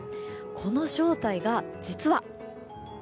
この正体が実は。